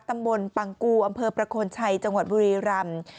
ตำบลปังกูอำเภอประโคนชัยจังหวัดบุรีรำ